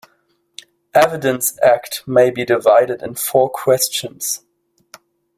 Evidence Act may be divided in four questions.